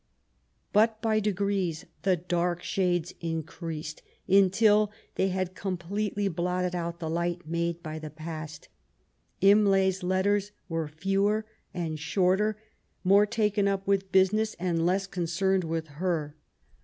^' But by degrees the dark shades increased until they had completely blotted out the light made by the past. Imlay's letters were fewer and shorter, more taken up with business, and less concerned with her.